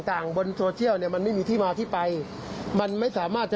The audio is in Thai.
มันอาจจะไม่เหมือนกับที่คุณแม่ได้สงสัย